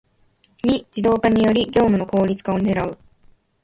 ⅱ 自動化により業務の効率化を狙う